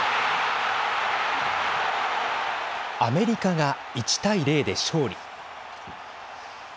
アメリカが１対０で勝利。